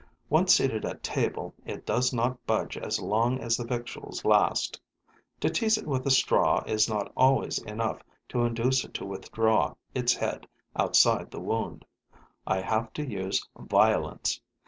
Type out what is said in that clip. Once seated at table, it does not budge as long as the victuals last. To tease it with a straw is not always enough to induce it to withdraw its head outside the wound; I have to use violence.